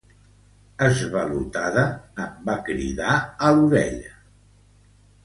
Esvalotada, em va cridar a l'orella.